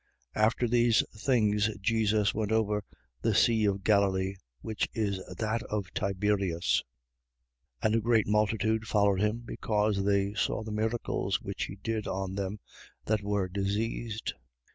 6:1. After these things Jesus went over the sea of Galilee, which is that of Tiberias. 6:2. And a great multitude followed him, because they saw the miracles which he did on them that were diseased.